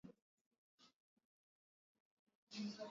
Fasi ya kwanza uta weza kwenda kwa chef wamugini wala ku cadastre